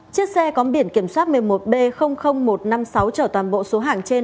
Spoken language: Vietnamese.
chiếc xe có biển kiểm soát một mươi một b một trăm năm mươi sáu chở toàn bộ số hàng trên